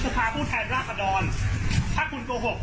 สถาผู้แทนล่าขาดรถ้าคุณโดกหก